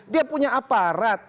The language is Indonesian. dia punya aparat